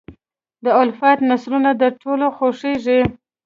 د الفت نثرونه د ټولو خوښېږي.